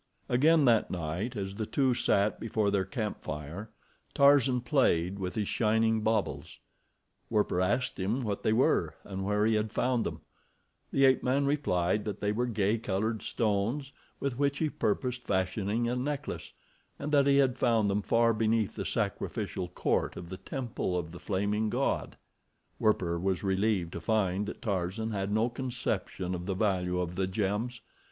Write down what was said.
Again, that night, as the two sat before their camp fire, Tarzan played with his shining baubles. Werper asked him what they were and where he had found them. The ape man replied that they were gay colored stones, with which he purposed fashioning a necklace, and that he had found them far beneath the sacrificial court of the temple of the Flaming God. Werper was relieved to find that Tarzan had no conception of the value of the gems.